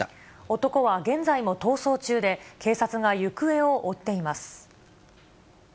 男は現在も逃走中で、警察が行方を追っています。